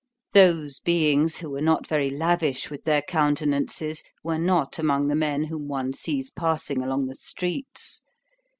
Those beings, who were not very lavish with their countenances, were not among the men whom one sees passing along the streets.